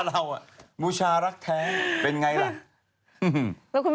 เราชอบกัดก้อนเกลือกกิน